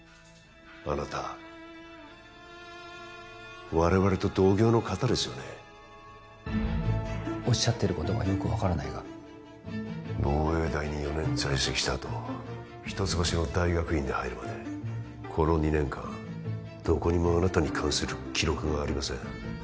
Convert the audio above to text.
あなた我々と同業の方ですよねおっしゃってることがよく分からないが防衛大に４年在籍したあと一橋の大学院に入るまでこの２年間どこにもあなたに関する記録がありません